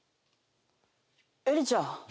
エリちゃん。